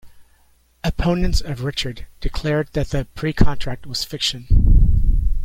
Opponents of Richard declared that the precontract was fiction.